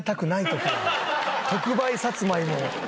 特売さつまいもを。